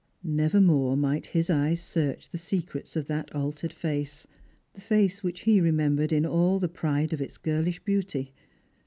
Never more might his eyes search the secrets of that altered face — the face which he remembered in all the pride of its girlish beauty.